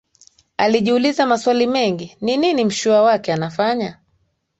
Alijiuliza maswali mengi, ni nini mshua wake anafanya?